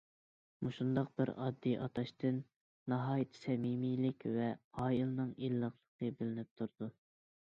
مۇشۇنداق بىر ئاددىي ئاتاشتىن ناھايىتى سەمىمىيلىك ۋە ئائىلىنىڭ ئىللىقلىقى بىلىنىپ تۇرىدۇ.